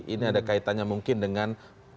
ini ada kaitannya mungkin dengan